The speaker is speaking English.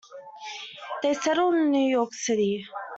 They settled in New York City.